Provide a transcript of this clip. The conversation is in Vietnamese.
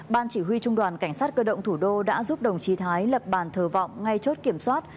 ban chỉ huy trung đoàn cảnh sát cơ động thủ đô đã giúp đồng chí thái lập bàn thờ vọng ngay chốt kiểm soát